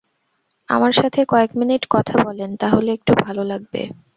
আমার সাথে কয়েক মিনিট কথা বলেন, তাহলে একটু ভালো লাগবে।